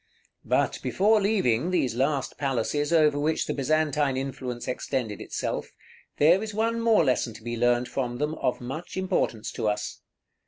§ XXXVII. But before leaving these last palaces over which the Byzantine influence extended itself, there is one more lesson to be learned from them of much importance to us.